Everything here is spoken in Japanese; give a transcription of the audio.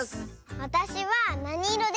わたしはなにいろですか？